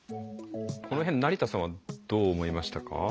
この辺成田さんはどう思いましたか？